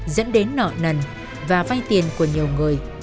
dẫn đến nợ nần và vay tiền của nhiều người